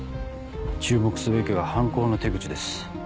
注目すべきは犯行の手口です。